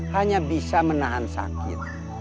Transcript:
hanya bisa menahan sakit